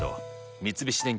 三菱電機